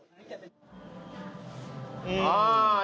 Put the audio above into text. แล้วทำไมแกไม่ไปโหวตทั้งนั้นแกเป็นเจ้าของตลาด